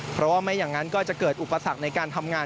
เพราะว่าไม่อย่างนั้นก็จะเกิดอุปสรรคในการทำงาน